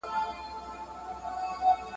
دا بدلونونه په ټولنه کي په اسانۍ لیدل کیږي.